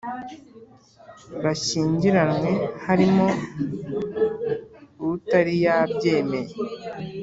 Bashyingiranywe harimo utari yabyemeye